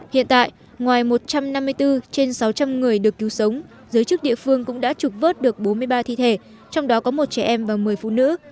hiện tại ngoài một trăm năm mươi bốn trên sáu trăm linh người được cứu sống giới chức địa phương cũng đã trục vớt được bốn mươi ba thi thể trong đó có một trẻ em và một mươi phụ nữ